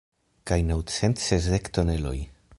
Kaj naŭcent sesdek toneloj.